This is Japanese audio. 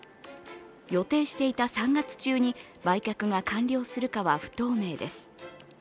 予定していた３月中に売却が完了するかは不透明です。